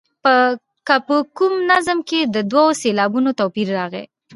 که په کوم نظم کې د دوو سېلابونو توپیر راغلی.